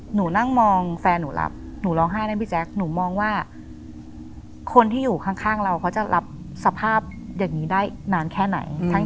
หนูนั่งมองแฟนหนูรับหนูร้องไห้นะพี่แจ๊คหนูมองว่าคนที่อยู่ข้างเราเขาจะรับสภาพอย่างนี้ได้นานแค่ไหน